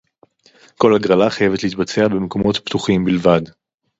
כל הגרלה חייבת להתבצע במקומות פתוחים בלבד